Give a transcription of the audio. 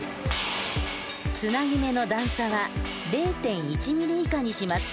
つなぎ目の段差は０．１ｍｍ以下にします。